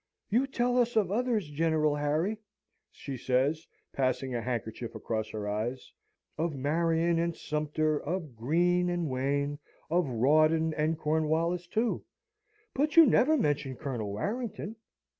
"You tell us of others, General Harry," she says, passing a handkerchief across her eyes, "of Marion and Sumpter, of Greene and Wayne, and Rawdon and Cornwallis, too, but you never mention Colonel Warrington!"